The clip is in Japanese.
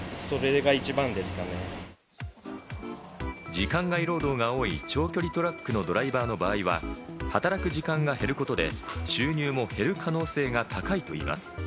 時間外労働が多い長距離トラックのドライバーの場合は、働く時間が減ることで収入も減る可能性が高いといいます。